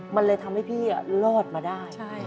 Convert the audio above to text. มันเลยทำให้พี่รอดมาได้